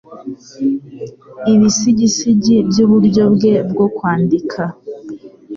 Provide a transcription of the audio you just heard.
Ibisigisigi byuburyo bwe bwo kwandika